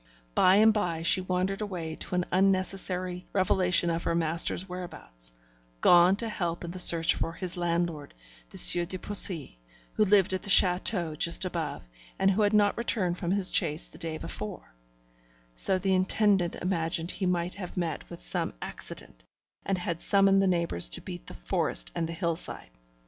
By and by, she wandered away to an unnecessary revelation of her master's whereabouts: gone to help in the search for his landlord, the Sieur de Poissy, who lived at the chateau just above, and who had not returned from his chase the day before; so the intendant imagined he might have met with some accident, and had summoned the neighbours to beat the forest and the hill side.